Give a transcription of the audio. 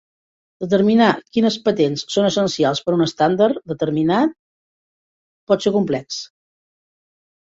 Determinar quines patents són essencials per a un estàndard determinat pot ser complex.